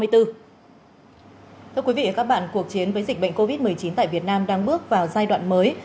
thưa quý vị và các bạn cuộc chiến với dịch bệnh covid một mươi chín tại việt nam đang bước vào giai đoạn mới